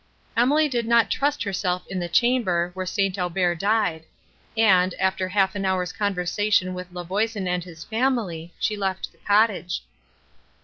Emily did not trust herself in the chamber, where St. Aubert died; and, after half an hour's conversation with La Voisin and his family, she left the cottage.